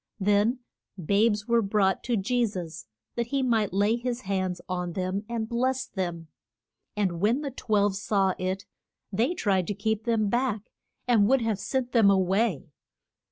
Then babes were brought to Je sus that he might lay his hands on them and bless them. And when the twelve saw it, they tried to keep them back, and would have sent them a way.